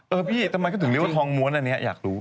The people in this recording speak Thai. เออพี่ว่างี้ทำไมก็ถึงเรียกว่าทองมวลอันนี้อยากรู้